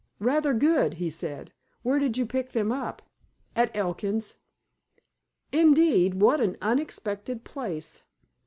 "Rather good," he said. "Where did you pick them up?" "At Elkin's." "Indeed. What an unexpected place!"